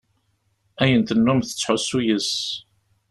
Ayen tennum tettḥusu yes-s.